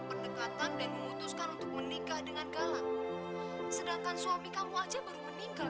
pendekatan dan memutuskan untuk menikah dengan galak sedangkan suami kamu aja baru meninggal